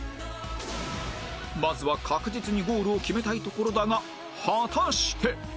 まずは確実にゴールを決めたいところだが果たして